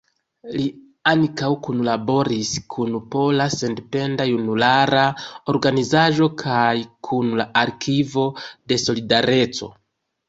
Li ankaŭ kunlaboris kun Pola Sendependa Junulara Organizaĵo kaj kun la Arkivo de Solidareco.